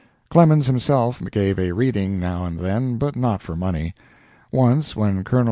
Clemens himself gave a reading now and then, but not for money. Once, when Col.